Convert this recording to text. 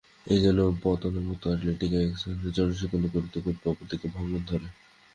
এ যেন পতনোন্মুখ অট্টালিকা, এক স্থানে জীর্ণসংস্কার করিতে করিতে অপরদিকে ভাঙন ধরে।